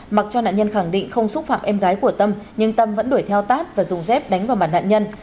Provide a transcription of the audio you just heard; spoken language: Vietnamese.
mặc cho nạn nhân khẳng định không xúc phạm em gái của tâm nhưng tâm vẫn đuổi theo tát và dùng dép đánh vào mặt nạn nhân